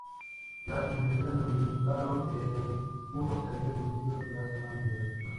Las investigaciones revelaron que el hurto se había producido la semana anterior.